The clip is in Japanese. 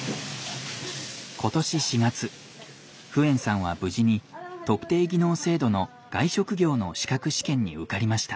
今年４月フエンさんは無事に特定技能制度の外食業の資格試験に受かりました。